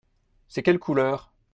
C’est quelle couleur ?